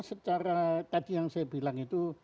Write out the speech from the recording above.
secara tadi yang saya bilang itu